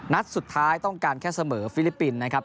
นัดสุดท้ายต้องการแค่เสมอฟิลิปปินส์นะครับ